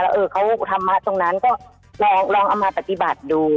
เออเขาธรรมะตรงนั้นก็ลองเอามาปฏิบัติดู